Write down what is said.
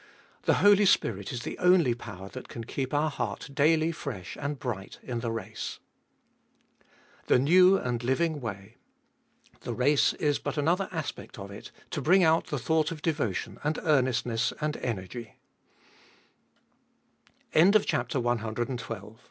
The Holy Spirit is the only power that can keep our heart daily fresh and bright in the race. 3. The new and living way. The race is but another aspect of it, to bring out the thought of devotion and earnestness and